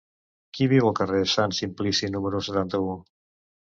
Qui viu al carrer de Sant Simplici número setanta-u?